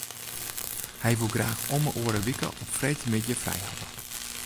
Hy woe graach om 'e oare wike op freedtemiddei frij hawwe.